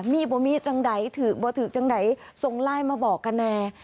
มีบ่มีจังใดถือบ่ถือจังไหนส่งไลน์มาบอกกันแน่